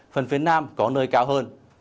phần phía nam có nơi cao hơn